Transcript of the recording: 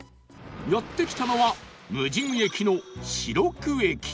やって来たのは無人駅の白久駅